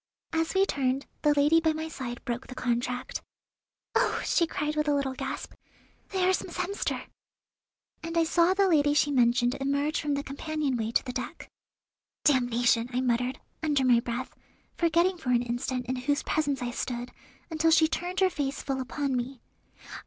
As we turned, the lady by my side broke the contract. "Oh!" she cried with a little gasp, "there is Miss Hemster!" and I saw the lady she mentioned emerge from the companion way to the deck. "Damnation!" I muttered, under my breath, forgetting for an instant in whose presence I stood, until she turned her face full upon me.